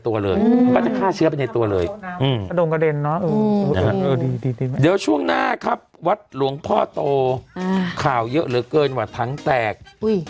วัดหลวงพ่อโตอ่าข่าวเยอะเหลือเกินว่าถังแตกอุ้ย